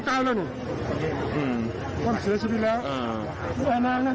แทนยังเสียชีวิตแล้วอีกต่างหาก